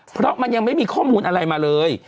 เพราะมันยังไม่มีข้อมูลอะไรมาเลย